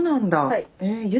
はい。